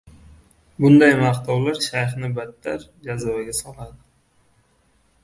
Bunday «maqtovlar» Shayxni battar jazavaga soladi.